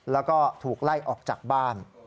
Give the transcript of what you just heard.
แล้วก็ถูกไล่ออกจากบ้าน